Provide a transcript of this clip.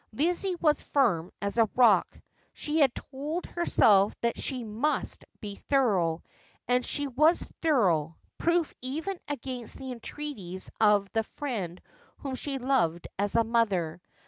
Lizzie was firm as a rock. She had told herself that she must be thorough — and she was thorough, proof even against the entreaties of the friend whom she loved as a mother.